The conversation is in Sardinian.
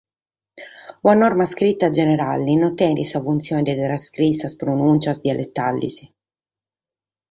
Una norma iscrita generale non tenet sa funtzione de “trascrìere” sas pronùntzias dialetales.